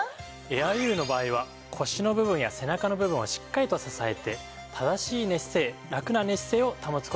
エアウィーヴの場合は腰の部分や背中の部分をしっかりと支えて正しい寝姿勢ラクな寝姿勢を保つ事ができるんです。